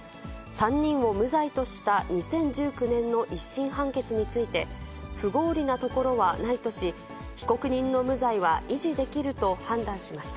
３人を無罪とした２０１９年の１審判決について、不合理なところはないとし、被告人の無罪は維持できると判断しました。